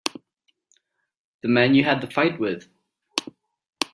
The man you had the fight with.